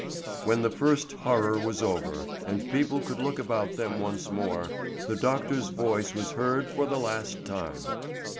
When the first horror was over and people could look about them once more, the doctor's voice was heard for the last time.